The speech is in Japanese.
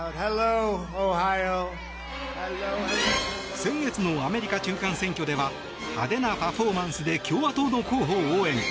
先月のアメリカ中間選挙では派手なパフォーマンスで共和党の候補を応援。